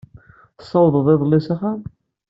Tessawḍeḍ iḍelli s axxam?